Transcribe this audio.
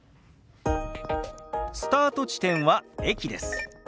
スタート地点は駅です。